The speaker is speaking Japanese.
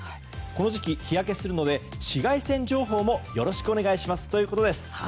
この時期、日焼けするので紫外線情報をよろしくお願いしますということです。